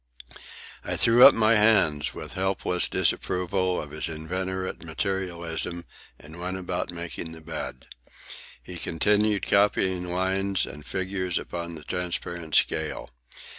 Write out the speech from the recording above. I threw up my hands with helpless disapproval of his inveterate materialism and went about making the bed. He continued copying lines and figures upon the transparent scale.